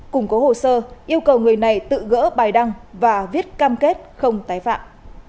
cùng có hồ sơ yêu cầu người này tự gỡ bài đăng và viết cam kết không tái phạm